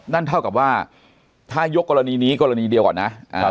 นั่นเท่ากับว่าถ้ายกกรณีนี้กรณีเดียวก่อนนะ